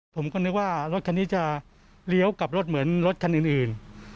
ผมก็นึกว่ารถคันนี้จะเลี้ยวกลับรถเหมือนรถคันอื่น